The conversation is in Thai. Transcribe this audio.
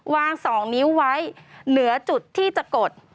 วาง๒นิ้วไว้เหนือจุดที่จะกด